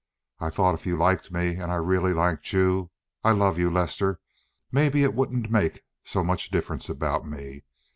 I thought if you liked me and I really liked you—I love you, Lester—maybe it wouldn't make so much difference about me.